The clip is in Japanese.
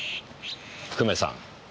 久米さん。